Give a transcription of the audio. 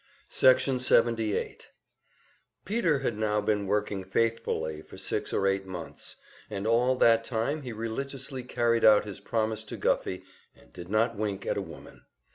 Section 78 Peter had now been working faithfully for six or eight months, and all that time he religiously carried out his promise to Guffey and did not wink at a woman.